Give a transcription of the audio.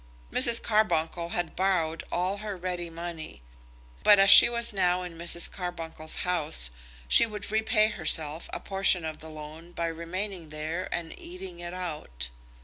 Mrs. Carbuncle had borrowed all her ready money; but as she was now in Mrs. Carbuncle's house, she could repay herself a portion of the loan by remaining there and eating it out.